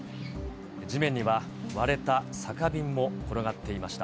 地面には割れた酒瓶も転がっていました。